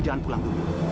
jangan pulang dulu